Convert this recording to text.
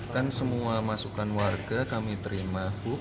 kan semua masukan warga kami terima bu